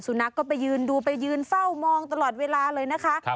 สุนัขก็ไปยืนดูไปยืนเฝ้ามองตลอดเวลาเลยนะคะ